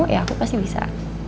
ya aku pasti bisa